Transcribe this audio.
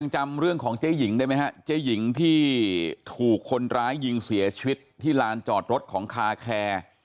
จำเรื่องของเจ๊หญิงได้ไหมฮะเจ๊หญิงที่ถูกคนร้ายยิงเสียชีวิตที่ลานจอดรถของคาแคร์